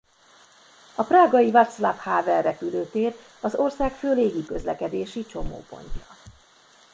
A prágai Václav Havel repülőtér az ország fő légiközlekedési csomópontja.